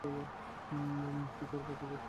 Sick ওর কাজে বেশ দক্ষ।